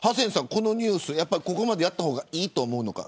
このニュースここまでやった方がいいと思うのか。